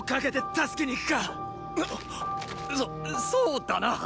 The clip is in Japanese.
そっそうだな！